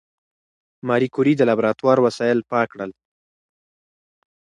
ماري کوري د لابراتوار وسایل پاک کړل.